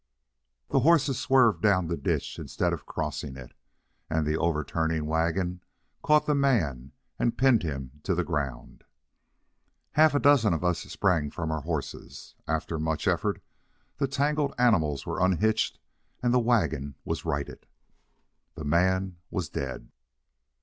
The horses swerved down the ditch instead of crossing it, and the overturning wagon caught the man and pinned him to the ground. Half a dozen of us sprang from our horses. After much effort the tangled animals were unhitched and the wagon was righted. The man was dead.